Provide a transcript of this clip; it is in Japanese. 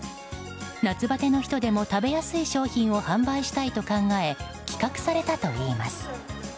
夏バテの人でも食べやすい商品を販売したいと考え企画されたといいます。